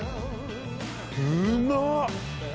うまっ！